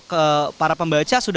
ke para pembaca gitu